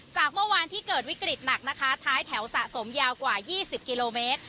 จากเมื่อวานที่เกิดวิกฤตหนักนะคะท้ายแถวสะสมยาวกว่า๒๐กิโลเมตร